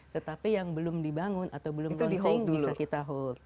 tetapi yang belum dibangun atau belum launching bisa kita hold